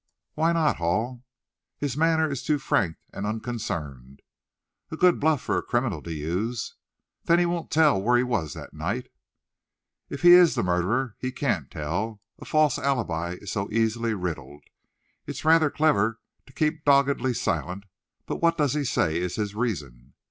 "Why not Hall?" "His manner is too frank and unconcerned." "A good bluff for a criminal to use." "Then he won't tell where he was that night." "If he is the murderer, he can't tell. A false alibi is so easily riddled. It's rather clever to keep doggedly silent; but what does he say is his reason?"